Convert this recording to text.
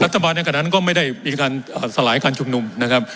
ในขณะนั้นก็ไม่ได้มีการสลายการชุมนุมนะครับ